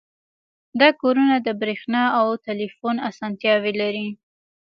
دا کورونه د بریښنا او ټیلیفون اسانتیاوې لري